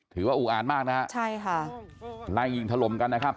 ถือว่าอูอานมากนายงิงถล่มกันนะครับ